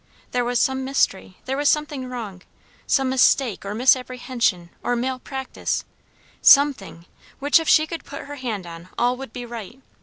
There was some mystery; there was something wrong; some mistake, or misapprehension, or malpractice; something, which if she could put her hand on, all would be right.